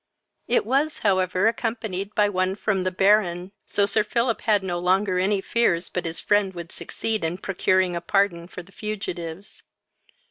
It was however accompanied by one from the Baron to Sir Philip had no longer any fears but his friend would succeed in procuring a pardon for the fugitives.